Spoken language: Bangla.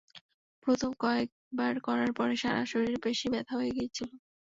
প্রথম কয়েকবার করার পরে সারা শরীরের পেশী ব্যথা হয়ে গিয়েছিল।